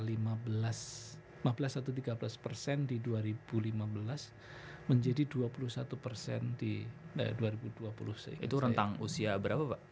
itu rentang usia berapa pak